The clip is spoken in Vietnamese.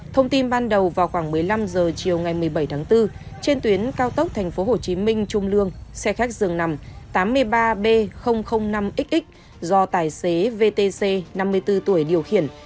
thông tin ban đầu vào khoảng một mươi năm h chiều ngày một mươi bảy tháng bốn trên tuyến cao tốc tp hcm trung lương xe khách dường nằm tám mươi ba b năm xx do tài xế vtc năm mươi bốn tuổi điều khiển